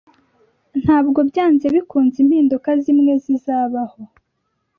Ntabwo byanze bikunze impinduka zimwe zizabaho.